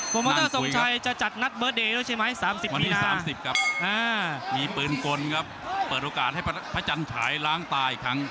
นางสุยครับวันที่๓๐ครับมีปืนกลครับเปิดโอกาสให้พระจันทรายล้างตายอีกครั้ง